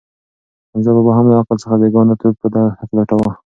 حمزه بابا هم له عقل څخه بېګانه توب په دښته کې لټاوه.